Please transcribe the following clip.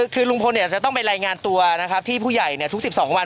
คือลุงพลจะต้องไปรายงานตัวนะครับที่ผู้ใหญ่ทุก๑๒วัน